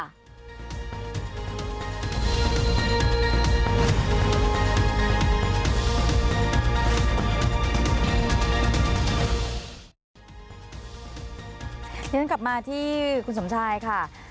อย่างนั้นกลับมาที่คุณสมชัยค่ะ